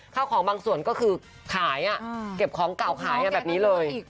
ข้าวของบางส่วนก็คือขายเก็บของเก่าขายแบบนี้เลย